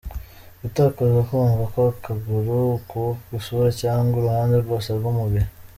Gutakaza kumva kw’akaguru, ukuboko, isura, cyangwa uruhande rwose rw’umubiri.